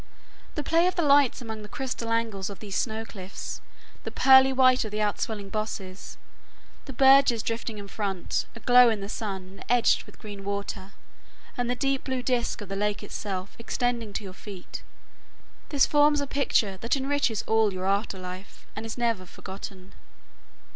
The play of the lights among the crystal angles of these snow cliffs, the pearly white of the outswelling bosses, the bergs drifting in front, aglow in the sun and edged with green water, and the deep blue disk of the lake itself extending to your feet,—this forms a picture that enriches all your afterlife, and is never forgotten.